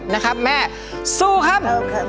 นะครับแม่สู้ครับ